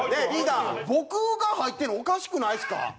僕が入ってるのおかしくないですか？